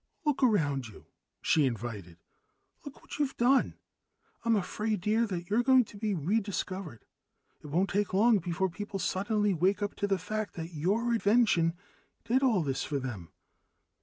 "Look around you," she invited. "Look what you've done. I'm afraid, dear, that you're going to be rediscovered. It won't take long before people suddenly wake up to the fact that your invention did all this for them.